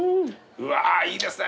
うわいいですね